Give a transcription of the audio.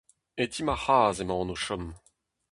E ti ma c'hazh emaon o chom.